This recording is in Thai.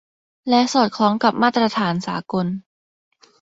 และสอดคล้องกับมาตรฐานสากล